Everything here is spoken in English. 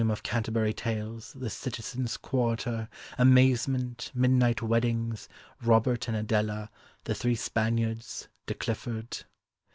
of Canterbury Tales; The Citizen's Quarter; Amazement; Midnight Weddings; Robert and Adela; The Three Spaniards; De Clifford."